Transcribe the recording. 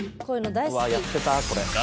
「こういうの大好き」「やってたこれ」